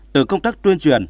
từ công tác tuyên truyền